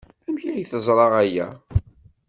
Amek ay teẓra aya?